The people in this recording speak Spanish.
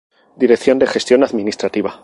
Dirección de Gestión Administrativa.